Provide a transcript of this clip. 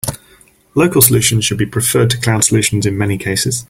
Local solutions should be preferred to cloud solutions in many cases.